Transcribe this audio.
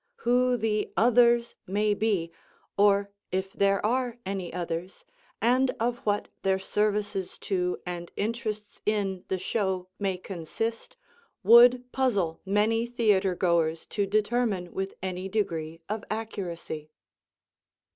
Who the "others" may be, or if there are any others, and of what their services to and interests in the show may consist, would puzzle many theatre goers to determine with any degree of accuracy.